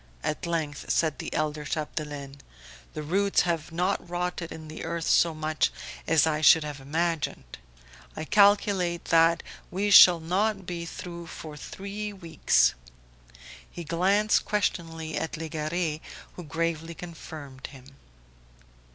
at length said the elder Chapdelaine, "the roots have not rotted in the earth so much as I should have imagined. I calculate that we shall not be through for three weeks." He glanced questioningly at Legare who gravely confirmed him.